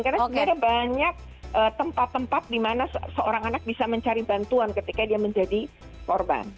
karena sebenarnya banyak tempat tempat dimana seorang anak bisa mencari bantuan ketika dia menjadi korban